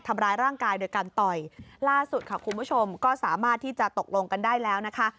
ทำร้ายร่างกายโดยการต่อยล่าสุดค่ะคุณผู้ชมก็สามารถที่จะตกลงกันได้แล้วนะคะ